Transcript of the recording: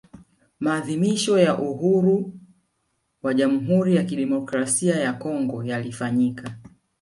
Maadhimisho ya uhuru wa Jamhuri ya Kidemokrasia ya Kongo yalifanyika